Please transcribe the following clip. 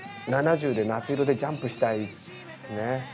７０で夏色でジャンプしたいですね。